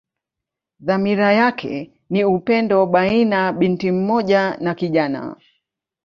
Dhamira yake ni upendo baina binti mmoja na kijana.